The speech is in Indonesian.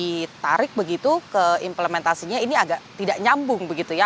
ditarik begitu ke implementasinya ini agak tidak nyambung begitu ya